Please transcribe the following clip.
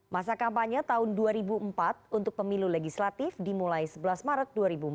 masa kampanye tahun dua ribu empat untuk pemilu legislatif dimulai sebelas maret dua ribu empat belas